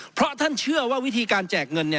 เพราะท่านเชื่อว่าวิธีการแจกเงิน